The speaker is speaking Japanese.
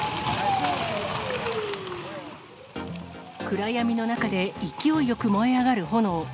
暗闇の中で勢いよく燃え上がる炎。